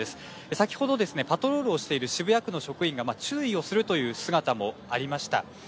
先ほど、パトロールをしている渋谷区の職員が注意をするという姿もありました。